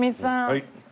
はい。